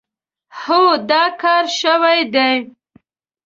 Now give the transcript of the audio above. هو، دا کار شوی دی.